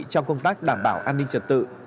trong công tác đảm bảo an ninh trật tự